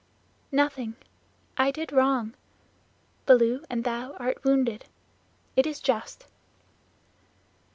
"Nothing. I did wrong. Baloo and thou are wounded. It is just."